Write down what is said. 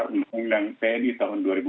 undang undang tni tahun dua ribu empat